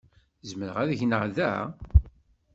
Zemreɣ ad gneɣ da?